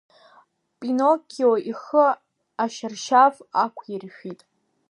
Пиноккио ихы ашьаршьаф ақәиршәит.